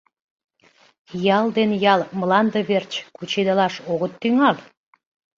— Ял ден ял мланде верч кучедалаш огыт тӱҥал?